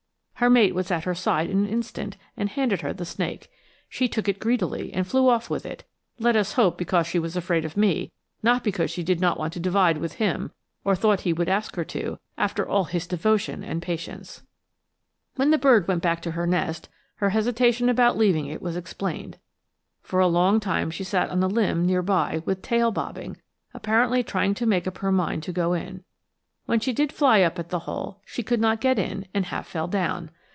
Her mate was at her side in an instant, and handed her the snake. She took it greedily and flew off with it, let us hope because she was afraid of me, not because she did not want to divide with him, or thought he would ask her to, after all his devotion and patience! When the bird went back to her nest, her hesitation about leaving it was explained. For a long time she sat on a limb near by with tail bobbing, apparently trying to make up her mind to go in. When she did fly up at the hole she could not get in, and half fell down.